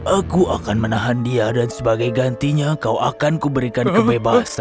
aku akan menahan dia dan sebagai gantinya kau akan kuberikan kebebasan